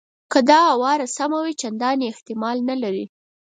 که دا آوازه سمه وي چنداني احتمال نه لري.